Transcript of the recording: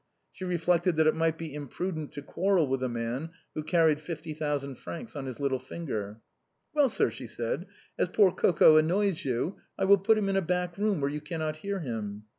She reflected that it might be imprudent to quarrel with a man who carried fifty thou sand francs on his little finger. " Well, sir," she said, " as poor Coco annoys you, I will put him in a back room, where you cannot hear him."